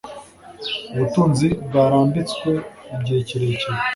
Ubutunzi bwarambitswe igihe kirekire.